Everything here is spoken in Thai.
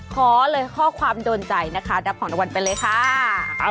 ขอเลยข้อความโดนใจนะคะรับของรางวัลไปเลยค่ะ